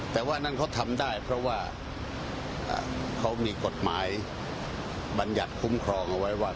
แต่ว่านั่นเขาทำได้เพราะว่าเขามีกฎหมายบรรยัติคุ้มครองเอาไว้ว่า